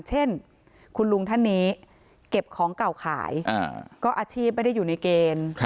เช่นคุณลุงท่านนี้เก็บของเก่าขายก็อาชีพไม่ได้อยู่ในเกณฑ์